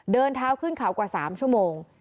เดินเท้าขึ้นเขากว่า๓ชั่วโมง